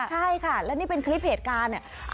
ใช่ค่ะแล้วนี่เป็นคลิปเหตุการณ์เนี่ย